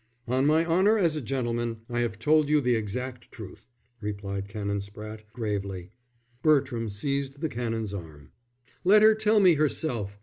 "On my honour as a gentleman, I have told you the exact truth," replied Canon Spratte, gravely. Bertram seized the Canon's arm. "Let her tell me herself.